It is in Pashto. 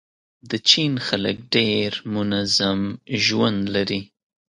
د چین خلک ډېر منظم ژوند لري.